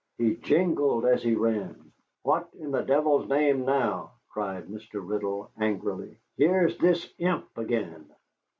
He jingled as he ran. "What in the devil's name now?" cried Mr. Riddle, angrily. "Here's this imp again."